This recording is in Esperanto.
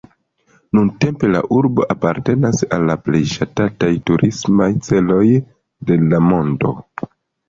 Nuntempe la urbo apartenas al la plej ŝatataj turismaj celoj de la mondo.